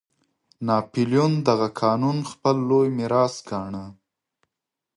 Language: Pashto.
ناپلیون دغه قانون خپل لوی میراث ګاڼه.